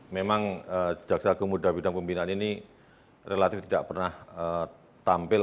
memang jaksa agung muda bidang pembinaan ini relatif tidak pernah tampil